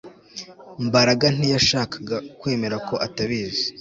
Mbaraga ntiyashakaga kwemera ko atabizi